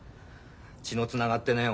血のつながってねえ